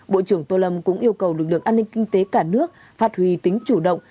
bộ trưởng tô lâm cũng yêu cầu lực lượng an ninh kinh tế cả nước phát huy tính chủ động